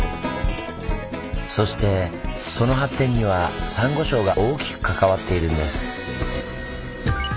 そしてその発展にはサンゴ礁が大きく関わっているんです。